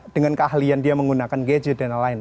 dengan keahlian dia menggunakan gadget dan lain lain